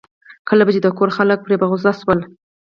کله به چې د کور خلک پرې په غوسه شول.